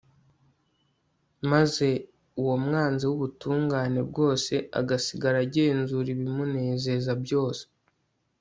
maze uwo mwanzi w'ubutungane bwose agasigara agenzura ibimunezeza byose